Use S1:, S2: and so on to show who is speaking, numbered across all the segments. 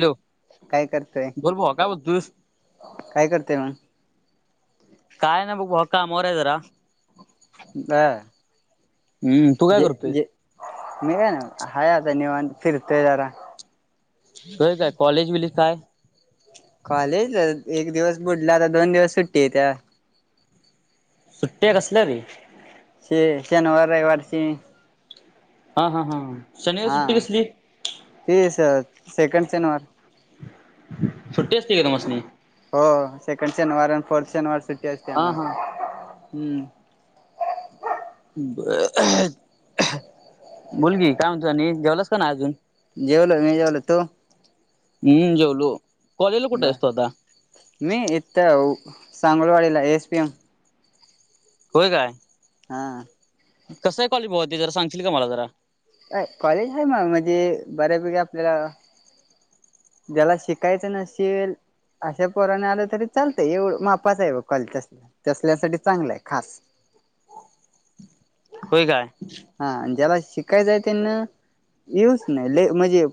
S1: Hello!
S2: काय करतोय?
S1: बोल भावा काय बोलतोयस.
S2: काय करतेय मं.
S1: काय नाय बुगवा कामा वर जरा.
S2: ब
S1: हम्म तू काय
S2: जे
S1: करतोय?
S2: जे. मी काय नाही हाय आता नीवांत फिरतय जरा.
S1: व्हय काय, कॉलेज बिलेज काय?
S2: कॉलेज एक दिवस बुडला, आता दोन दिवस सुट्टी येत्या.
S1: सुटट्या कसल्या रे!
S2: श-शनवार वारची.
S1: हा हा हा! शनिवारी
S2: हा
S1: सुट्टी कसली?
S2: ती सं-सेकंड शनिवार.
S1: सुट्टी असते का तुमासणी?
S2: हो सेकंड शनिवार आणि फोर्थ शनिवार सुट्टी असते
S1: हा
S2: आमला
S1: हा
S2: हूं!
S1: बोल की काय म्हणतो आणि जेवलास का नाय अजून?
S2: जेवला का, नहीं जेवला तू?
S1: हूं जेवलो कॉलेजला कुठे
S2: बर
S1: आहेस तू आता?
S2: मी इथ सांगुळवाडीला हे एस पी एम.
S1: होय काय?
S2: हा!
S1: कसय कॉलेज भावा ते जरा सांगशील का माला जरा.
S2: चाय कॉलेज आहे म्हाग म्हणजे बऱ्यापैकी आपल्याला. ज्याला शिकायचं नसेल. अशा पोराने आलं तरी चालतंय, एव मापाच आहे बॉ कॉलेज तंस. तसल्यासाठी चांगलंय खास.
S1: होय काय?
S2: हा ज्याला शिकायचंय त्यांन येऊच नही ले म्हणजे.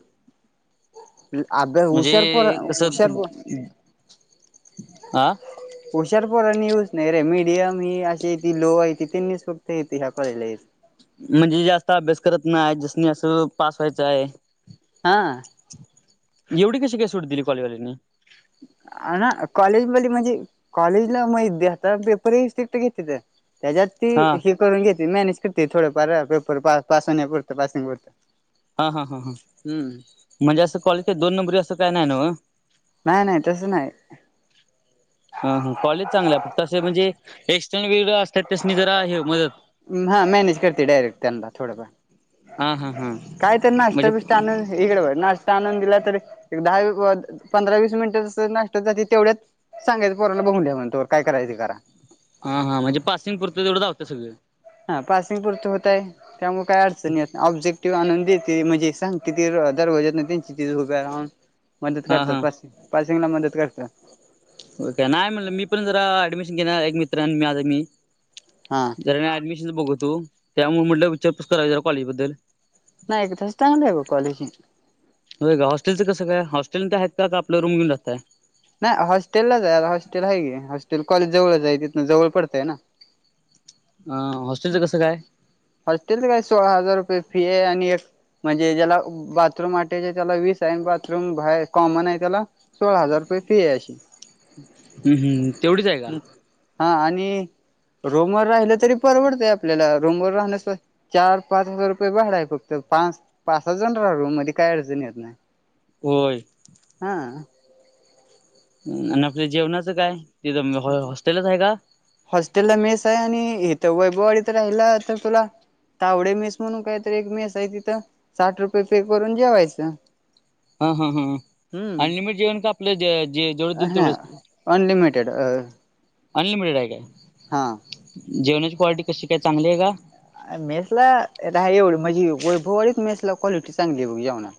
S2: अभ्यास
S1: म्हणजे
S2: हुशार पोर
S1: कस
S2: हुशार पोर
S1: आ!
S2: हुशारपोरानी येऊच नही रे मिडियम ही अशी ती लो आहे ति त्यांनीस फक्त येथे ह्यां कॉलेजला यायचं.
S1: म्हणजे जास्त अभ्यास करत नाय, ज्यासनी असं पास व्हायचं आहे.
S2: हा!
S1: एवढी कशी काय सूट दिली कॉलेजवाल्यान.
S2: आ ना कॉलेज वाले म्हणजे? कॉलेजला माहित दे आता पेपर ही स्ट्रीक्ट घेते त्या. त्याच्यात ती
S1: हा
S2: हे करून घेते, मॅनेज करते थोडफार पेपर पास पास होण्या पुरत पासिंग पुरतं.
S1: हां हां हां
S2: हम्म
S1: म्हणजे असं कॉलेज काय दोन नंबरी, असं काय नाही नव्ह.
S2: नाही नाही तसं नाही.
S1: ह ह कॉलेज चांगलं आहे फक्त असं म्हणजे एक्स्टर्ली वेगळ असतात त्यासनी जरा हे मदत.
S2: हा मॅनेज करते डायरेक्ट त्यांना थोडंफार
S1: हा हा हा
S2: काय त्यां नांस्टा
S1: म्हणजे
S2: बिष्टा आन. इकड बघं नाष्टा आणून दिला तरी एक दहा एक पंधरा वीस मिनिटं तं सहज नाष्ट्यात जाते तेवढ्यात सांगायंच पोरानां बघून ठेवा म्हण तोवर काय करायचं ते करा.
S1: हा हां म्हणजे पासिंग पुरतं तेवढं दावत्या सगळं.
S2: हा पासिंग पुरतं होतंय. त्यामुळे काय अडचण येत, ऑब्जेक्टिव्ह आणून देते म्हणजे सांगती ती दरवाजेतनं तेन [unintelligible] मदत
S1: हा
S2: करतात
S1: हा
S2: पाि पासिंगला मदत करतात.
S1: [unintelligible] नाही म्हणलं मी पण जरा ऍडमिशन घेणार एक मित्र आणि माझं मी.
S2: हा.
S1: जरा म ऍडमिशन् बघतो, त्यामुळे म्हटलं विचारपूस कराच जरा कॉलेजबद्दल.
S2: नाही [unintelligible] तसं चांगलं आहे ग कॉलेजी.
S1: होय का हस्टेलं कसं काय हॉस्टेल ते आहेत का आपला रूम घेऊन राहताय.
S2: नाही हॉस्टेलला जाऊया का हॉस्टेल आहे की हॉस्टेल कॉलेज जवळचाय तिथं जवळ पडतंय ना.
S1: हा, हॉस्टेलचं कसं काय?
S2: हॉस्टेलच काय सोळा हजार रुपये फी आहे आणि एक म्हणजे ज्याला बाथरूम अटॅच आहे त्याला वीस आहे बाथरूम बाहेर कॉमन आहे त्याला सोळा हजार रुपये फी आहे अशी.
S1: हम् हम्, तेवढीच आहे का?
S2: हा आणि रूमवर राहिलं तरी परवडतंय आपल्याला रूमवर राहण्यासं, चार-पाच हजार रुपये भाड आहे बघं फक्त पाच-पाच सहा जण रहा रूममध्ये काय अडचण येत नाही.
S1: होय.
S2: हा.
S1: आणि आपल्या जेवणाचं काय, तिथ हॉस्टेलच आहे का?
S2: हॉस्टेल ला मेस आहे आणि इथं वैभववाडीत राहिलं तर तुला तावडे मेस म्हणून कायतरी एक मेस आहे तिथं साठ रुपये पे करून जेवायचं.
S1: हा हा हा,
S2: हम्म
S1: अनलिमिट जेवण का आपल्या जे-जेवढ दिल
S2: अ
S1: तेवढंच.
S2: अनलिमिटेड आ.
S1: अनलिमिटेड आहे का?
S2: हा.
S1: जेवणाची क्वालिटी कशी काय चांगली आहे का?
S2: मेसला नाही एवढं म्हणजे [unintelligible] वैभववाडीत मेसला क्वालिटी चांगली आहे बघं जेवणाला.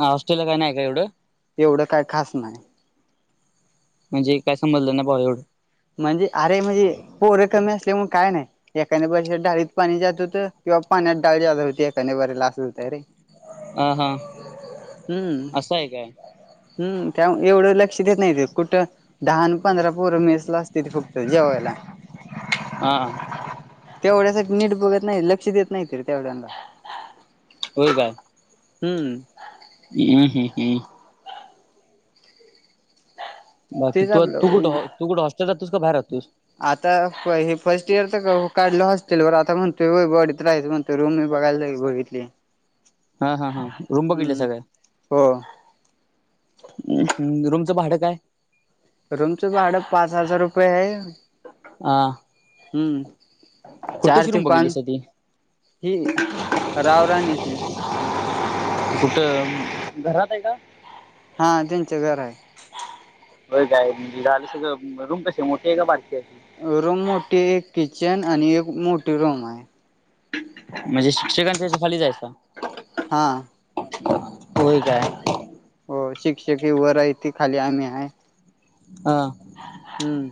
S1: हा होस्टेलला काय नाही काय एवढं?
S2: एवढं काय खास नाही.
S1: म्हणजे काय समजलं नाही भाऊ एवढं
S2: म्हणजे अरे म्हणजे, पोरं कमी असल्यामुळे काय नाही. एकाने बारीला डाळीत पाणी जास्त होतं किंवा पाण्यात डाळी जादा होती एकाने बरीला असं होतय रे.
S1: हा हा
S2: हम्म.
S1: असं आहे काय
S2: हम् त्यामुळं, एवढं लक्ष देत नाही ते कुठं दहान पंधरा पोर मेस ला असतेती फक्त जेवायला.
S1: हा.
S2: तेवढ्यासाठी नीट बघत नाही लक्ष देत नाहीत तेवढ्यांना.
S1: होय काय?
S2: हम्म.
S1: हम्म हम् हम्म.
S2: ह.
S1: बाकी तू-तू कुठं, तू कुठं हॉस्टेल राहतोस का बाहेर राहतोस?
S2: आता हे फर्स्ट इयर तर [unintelligible] काढलं हॉस्टेलवर आता म्हणतोय वैभववाडीत राहाचं म्हण. तर रूम मी बघायला [unintelligible] तली
S1: हा हा हा रूम बघितल्या
S2: हम्,
S1: सगळ्या
S2: हो.
S1: रूमचं भाडं काय?
S2: रूमचं भाडं पाच हजार रुपये हे.
S1: अ.
S2: हम्म. चार ते
S1: रूम बघितलीस
S2: पांच
S1: ती
S2: हि रावराणीचे.
S1: कुठ, घराते का?
S2: हा त्यांचं घर हाय.
S1: हो काय? म्हणजे झालं सगळं. रूम कशी मोठी हाय का बारकी हाय?
S2: रूम मोठी. एक किचन आणि एक मोठी रूम हाय.
S1: म्हणजे शिक्षकांच्या येच्या खाली जायच?
S2: हा.
S1: होय काय?
S2: हो शिक्षक हे वर हायती. खाली आम्ही हाय.
S1: ह.
S2: हम्म.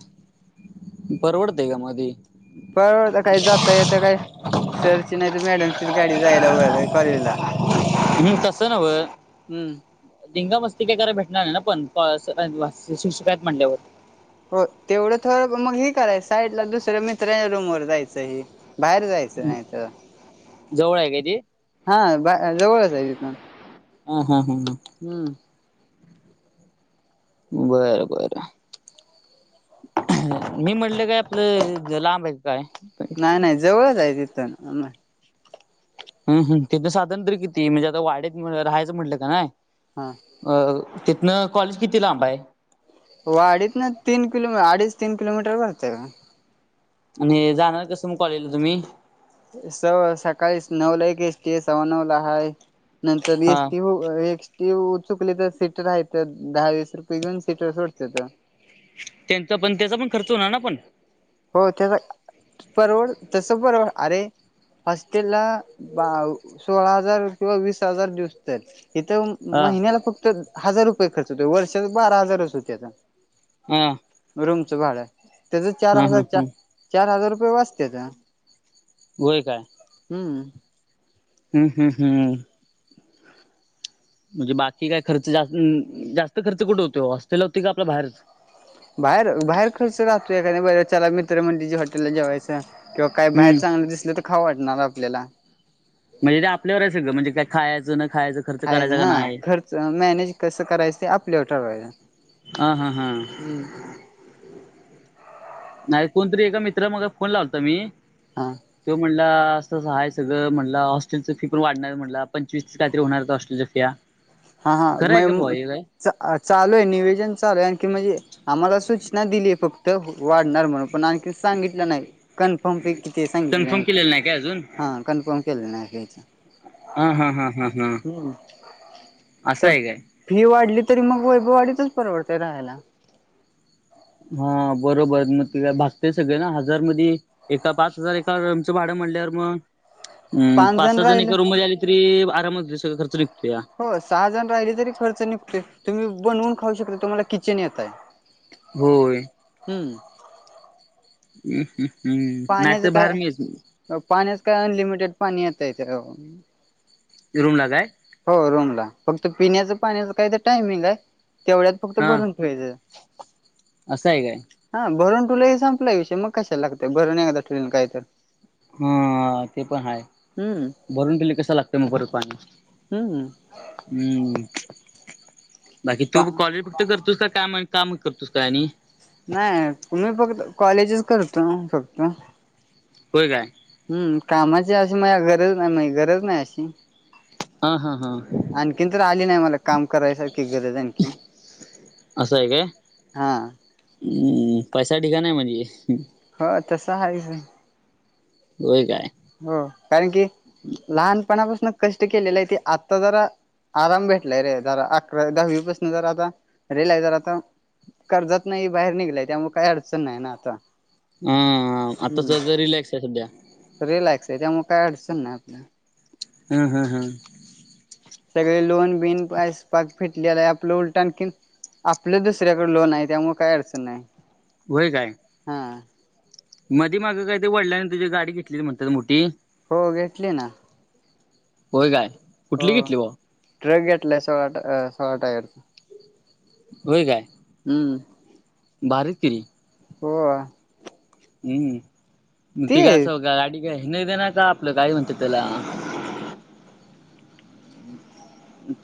S1: परवडतेय का म ते.
S2: परवडत काही जाता येत काय. सरची नाही त मॅडमचीच गाडी जायला व कॉलेजला.
S1: हम्म तसं नव्ह.
S2: हम्म.
S1: धिंगा मस्ती काय कराय भेटणार नाही ना पण. प शिक्षक आहेत म्हटल्यावर.
S2: हो तेवढं थोडं मग हि करायचं. साईटला दुसऱ्या मित्रांच्या रूम वर जायचं हे. बाहेर जायचं नाही त,
S1: जवळ आहे काय ते?
S2: हा बा जवळच हाय तिथून.
S1: हा हा हम्म हम्म.
S2: हम्म.
S1: बरं बरं. मी म्हटलं काय आपलं लांबे का काय?
S2: नाय नाय जवळच आहे तिथून.
S1: हम हम तेिथं साधारण तरी किती. म्हणजे आता वाढ्यात येऊन राहायचं म्हटलं क नाय.
S2: ह.
S1: अ तिथनं कॉलेज किती लाबं हाय?
S2: वाडीतन तीन किलोमीटर. अडीच तीन किलोमीटर भरतंय बग.
S1: आणि जाणार कसं मग कॉलजला तुम्ही?
S2: सव् सकाळी नऊला एक एस्टीये, सव्वा नऊला हाय. नंतर
S1: हा
S2: एस्टी हो एस्टी चुकली तर सीटर हायत. तर दहा वीस रुपये घेऊन सीटर सोडत्यात.
S1: त्यांचा पण, त्याचा पण खर्च होणार ना पण.
S2: हो त्याचा परवड तस परवड अरे हॉस्टेलला बाव सोळा हजार किंवा वीस हजार दिवसत्यात इथून
S1: हा.
S2: महिन्याला फक्त हजार रुपये खर्च होतो. वर्षाचा बारा हजारच होत्यात.
S1: ह.
S2: रूमचं भाडं, त्याच चार
S1: हा
S2: हजार जा,
S1: ह
S2: चार हजार रुपये वाचत्यात.
S1: होय काय?
S2: हम्म.
S1: हम्म हम्म हम्म. म्हणजे बाकी काय खर्च जास्त, अ न जास्त खर्च कुठ होतो? हॉस्टेलला होतय का आपल्या बाहेरच?
S2: बाहेर, बाहेर खर्च राहतो. एकादी बर चला मित्र म्हणली हॉटेलला जेवायच. किंवा काय बाहेर
S1: हम्म
S2: चांगलं दिसलं त खाऊ वाटणार आपल्याला.
S1: म्हणजे ते आपल्यावरच सगळं म्हणजे, खायचं न खायचं खर्च
S2: खायच
S1: करायचा का
S2: हा,
S1: नाही
S2: खर्च मॅनेज कसं करायचं ते आपल्यावर ठरवायचं.
S1: हा हा हा
S2: हम्म
S1: नाही कोणतरी एका मित्रा मग फोन लावता मी
S2: हां
S1: तो म्हटला, असं असं हाय सगळं म्हटला हॉस्टेलच फी पण वाढणार म्हटला पंचवीस -तीस काहीतरी होणार हॉस्टेलच्या फिया
S2: हा हा मये चालू आहे, निवेदन चालूय आणखी म्हणजे आम्हाला सूचना दिलीय फक्त वाढणार म्हणून पण आणखी सांगितलं नाही, कन्फर्म फी किती सांगितले
S1: कन्फर्म
S2: नाही.
S1: केलेलं काय अजून
S2: हा कन्फर्म केले नाही कायच.
S1: हा हा हा हा हा, असं
S2: तर
S1: आहे काय?
S2: फी वाढली तरी मग वैभवाडीतच परवडतेय राहायला.
S1: हा बरोबर मग तला भागते सगळ ना, हजार मध्ये एका पाच हजार एका रुमचं भाडं म्हणल्यावर मग हम पाच- सहा जण एका रूम मध्ये आले तरी आरामात हो सगळं खर्च निघतोया.
S2: हो सहाजण राहिले तरी, खर्च निघतो तुम्ही बनवून खाऊ शकता तुम्हाला किचन येत आहे.
S1: होय
S2: हम्म
S1: हं हं हम्म नाही
S2: पाण्याचं
S1: तर भार
S2: काय
S1: मीच
S2: पाण्याच काय अनलिमिटेड पाणी येत यथ
S1: रूमला काय?
S2: हो रूमला, फक्त पिण्याचं पाण्याच काही तर टाईमिंग हाय. तेवढ्यात फक्त
S1: हा
S2: भरून ठेवायचं.
S1: असं आहे काय
S2: हा भरून तुलाही संपलाय विषय मग कशाला लागतय भरून एकदा ठुलेल काय तर
S1: हा ते पण आहे,
S2: हम्म
S1: भरून ठेवली कशाला लागतंय मग परत पाणी
S2: हम्म हम्म
S1: हम्म, बाकी तू
S2: पा
S1: कॉलेज कुट करतोस काय? काम काम करतोस का आणि?
S2: नाही त मी फक्त कॉलेजच करतो फक्त.
S1: होय काय?
S2: हम्म कामाची अशी माझी गरज नाही, गरज नाही अशी.
S1: हा हा हा
S2: आणखीन तर आली नाही, मला काम करायसारखी गरज आणखीन.
S1: असं आहे काय,
S2: हा
S1: पैसा ढिगाण आहे म्हणजे.
S2: हो तसं आहेच‌
S1: व्हय काय?
S2: हो कारण की लहानपणापासून कष्ट केलेलं आहे, ते आत्ता जरा आराम भेटलाय रे जरा, अकरा दहावीपासून जर आता रिलॅ य ज आता कर्जात नाही बाहेर निघलंय, त्यामुळं काही अडचण नाही ना आता.
S1: हा
S2: हम्म
S1: आताच रिलॅक्स आहे सध्या.
S2: रिलॅक्स आहे, त्यामुळे काय अडचण नाही आता.
S1: हम्म हम्म हम्म
S2: सगळे लोन बिन पास फिटलेला आहे, आपलं उलट आणकिन आपलं दुसऱ्याकडे लोन आहे, त्यामुळे काही अडचण नाही.
S1: होय काय?
S2: हां.
S1: मधी माग काय तर वडिलांनी तुझा गाडी घेतलेली म्हणत्यात मोठी?
S2: हो घेतली ना.
S1: होय काय?
S2: हो,
S1: कुठली घेतली बा
S2: ट्रक घेतलाय सोळा सोळा टायरचा.
S1: होय काय?
S2: हम्म.
S1: भारीच की रे.
S2: होय.
S1: हम्म, ति काय
S2: ते
S1: असं गाडी काय हे न देणार का आपलं काय म्हणत्यात तेला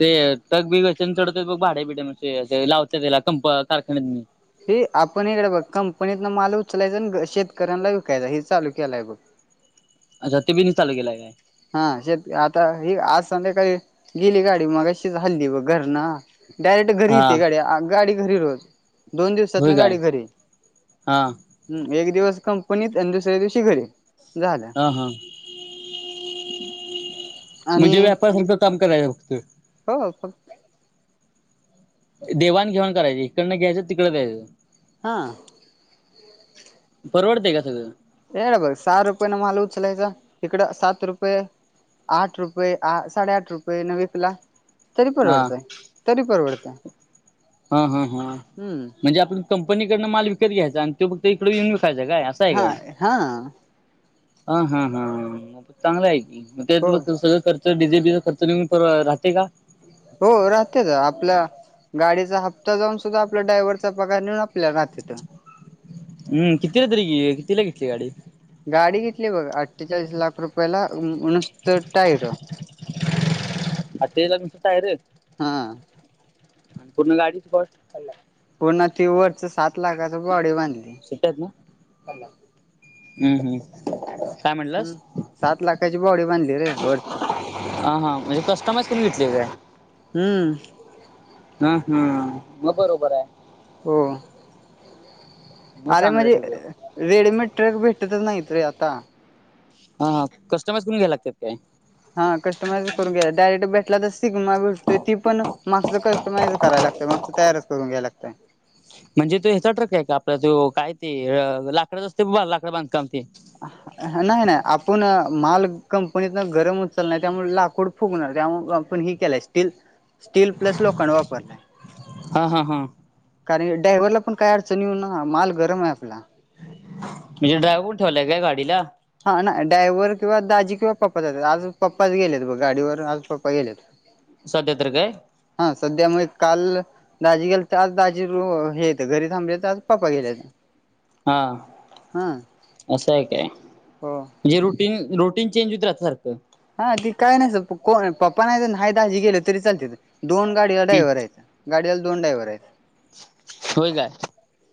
S1: ते टग बी हेचान चढत बग भाडे बिडे म्हणे लावत्यात त्याला कंप कारखान्यातनी?
S2: हे आपण इकड बघ कंपनीतन माल उचलायचा आणि शेतकऱ्यांला विकायचा, हेच चालू केलंय बघ.
S1: रतीब हिनच चालू केलाय काय?
S2: हा शेत आता आज संध्याकाळी गेली गाडी मगाशीच हल्ली बग घरन डायरेक्ट घरी
S1: हा
S2: येतिया गाडी, गाडी घरी रोज दोन दिवसातन
S1: होय काय
S2: गाडी घरी.
S1: हा
S2: हम्म एक दिवस कंपनीत आणि दुसऱ्या दिवशी घरी झाल.
S1: हा हा म्हणजे
S2: आणि
S1: व्यापारां सारख काम करायला फक्त.
S2: हो फक्त
S1: देवाण घेऊन करायची, इकडनं घ्यायचं तिकडं द्यायचं.
S2: हां.
S1: परवडतय का सगळं?
S2: ये इकडं बघ सहा रुपय न माल उचलायचा, इकडं सात रुपय आठ रुपय, साडेआठ रुपये, न वीकला तरी
S1: हा
S2: परवडतय तरी परवडतय.
S1: हा हा हा
S2: हम्म
S1: म्हणजे आपण कंपनीकडनं माल विकत घ्यायचा, आणि तो फक्त इकड येऊन विकायचा काय अस
S2: हां हां.
S1: हां हां हां चांगलं हाय की,
S2: हो
S1: तेचं फक्त सगळं कर डीजेल बी च खर्च निघून राहते का?
S2: हो राहत्यात आपल्या गाडीचा हप्ता जाऊन सुद्धा आपल्या ड्रायव्हरचा पगार निघून, आपल्याला राहात्यात.
S1: हम्म कितीला तरी कितीला घेतली गाडी?
S2: गाडी घेतली बघ अठ्ठेचाळीस लाख रुपयाला नुसत टायर
S1: अठ्ठेचाळीस ला नुसत टायर?
S2: हम्म.
S1: आणि पूर्ण गाडीची बस [unintelligible]
S2: पुन्हा ती वरच सात लाखाच बॉडी बांधली
S1: हम्म हम्म. काय
S2: हम्म
S1: म्हटलंस
S2: सात लाखाची बॉडी बांधली रे वरची.
S1: हा हा म्हणजे कस्टमाइज करून घेतली का काय?
S2: हम्म
S1: हम्म हम्म मग बरोबर हाय.
S2: हो,
S1: मग
S2: अरे
S1: चांगलं आहे
S2: म्हणजे
S1: सगळं
S2: रेडिमेट ट्रॅक भेटतच नाहीत रे आता.
S1: हा हा कस्टमाइज करून घ्यायला लागत्यात काय?
S2: हा, कस्टमाइज करून घ्याय, डायरेक्ट भेटला, तर सिग्मा भेटतोय, ती पण, मागचं कस्टमाइज कराय लागतय, मागच तयारच करून घ्याय लागतय.
S1: म्हणजे तो ह्याचा ट्रक ये का? आपल्या त्यो, काय ते लाकडच असते बबा, लाकड बांधकाम ते?
S2: अहा. नाही-नाही, आपुण माल, कंपनीतन गरम उचलाय, त्यामुळं लाकूड फुगणार, त्यामुळ आपण ही केल्यास स्टील, स्टील प्लस लोखंड वापरला.
S1: हां हां हां.
S2: कारण ड्रायव्हरला पण, काय अडचणी येऊ ना, माल गरम ये आपला.
S1: म्हणजे ड्रायव्हर ठेवलाय का, गाडीला?
S2: हां नाय, ड्रायव्हर किंवा दाजी किंवा पप्पा जात्यात, आज पप्पाच गेलेत, बग गाडीवर, आज पप्पा गेलेत.
S1: सदया तर काय?
S2: हं, सद्यामुळे काल दाजी गेलेत, आज दाजी रू हे त घरी थांबलेत, आज पप्पा गेले.
S1: हां,
S2: हा
S1: असंय काय?
S2: हो
S1: जे रुटीन-रू टिन चेंज होत राहत, सारखं.
S2: हां, ती काय नही, स प को पप्पा नाही त, नाय दाजी गेले तरी चालत्यात, दोन गाडीला ड्रायवरयत. गाडीला, दोन डायव्हर येत.
S1: होय काय,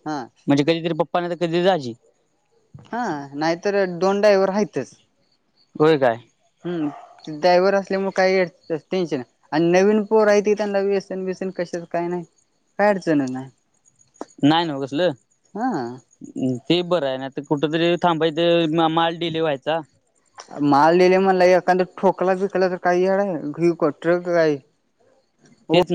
S2: हा
S1: म्हणजे कधीतरी पप्पा नाय, तर कधी दाजी?
S2: हां, नाहीतर दोन ड्रायवर हायतंच.
S1: होय काय?
S2: हम्, ते ड्रायव्हर असल्यामुळ, काय टेन्शन आणि नवीन पोरं हाय, ती त्यांना व्यसन-बिसन कशाच काही-नाही, काय अडचण नाही.
S1: नाय न व कसलं?
S2: हा
S1: ते बरं य, नही तर कुठं तरी थांबायचं, म-माल डिले व्हायचा.
S2: माल डीले म्हणला, एखांद ठोकला-बिकला, तर काय यळाय, घीऊ का, ट्रक काय? ओ.
S1: तेच